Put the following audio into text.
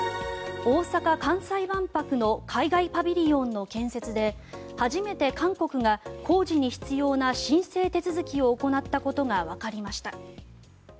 大阪・関西万博の海外パビリオンの建設で初めて韓国が工事に必要な申請手続きを行ったことがわかりました。